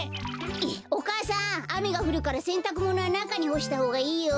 お母さんあめがふるからせんたくものはなかにほしたほうがいいよ。